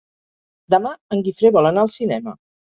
Demà en Guifré vol anar al cinema.